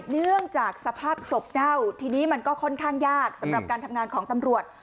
เนื่องจากสภาพศพเน่าทีนี้มันก็ค่อนข้างยากสำหรับการทำงานของตำรวจ